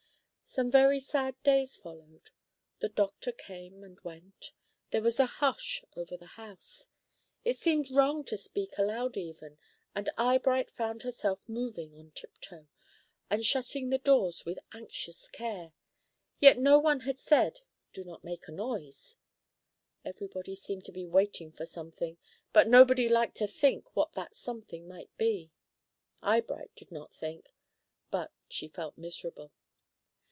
Some very sad days followed. The doctor came and went. There was a hush over the house. It seemed wrong to speak aloud even, and Eyebright found herself moving on tiptoe, and shutting the doors with anxious care; yet no one had said, "Do not make a noise." Everybody seemed to be waiting for something, but nobody liked to think what that something might be. Eyebright did not think, but she felt miserable.